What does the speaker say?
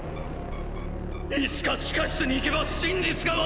いつか地下室に行けば真実が分かる！